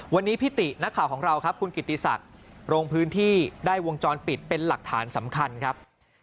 วันนี้พี่ตินักข่าวของเราครับคุณกิติศักดิ์ลงพื้นที่ได้วงจรปิดเป็นหลักฐานสำคัญครับ